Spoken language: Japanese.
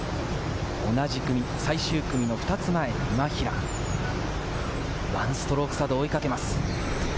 同じ組、最終組の２つ前、今平、１ストローク差で追いかけます。